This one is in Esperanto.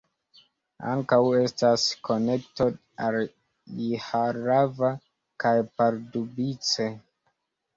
Ankaŭ estas konekto al Jihlava kaj Pardubice.